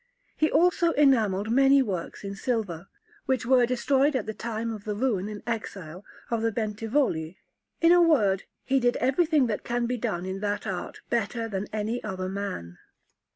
He also enamelled many works in silver, which were destroyed at the time of the ruin and exile of the Bentivogli. In a word, he did everything that can be done in that art better than any other man.